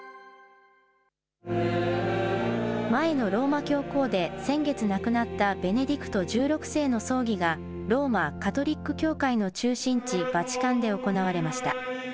前のローマ教皇で、先月亡くなったベネディクト１６世の葬儀が、ローマ・カトリック教会の中心地、バチカンで行われました。